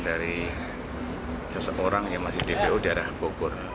dari seseorang yang masih di dpu daerah purwokerto